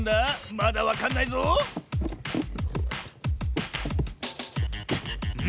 まだわかんないぞん？